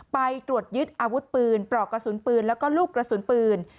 ไปตรวจยึดอาวุธปืนปลอกกระสุนปืนแล้วก็ลูกกระสุนปืน